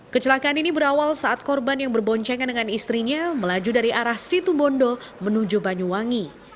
kecelakaan ini berawal saat korban yang berboncengan dengan istrinya melaju dari arah situbondo menuju banyuwangi